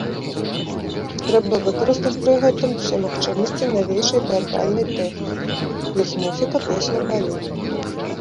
Трэба выкарыстаць пры гэтым усе магчымасці навейшай тэатральнай тэхнікі плюс музыка, песня, балет.